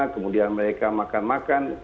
kemudian mereka makan makan